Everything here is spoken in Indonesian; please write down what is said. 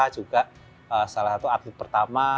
juga salah satu atlet pertama